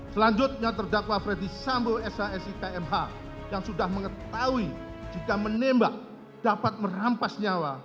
selanjutnya terdakwa freddy sambu sh sik mh yang sudah mengetahui jika menembak dapat merampas nyawa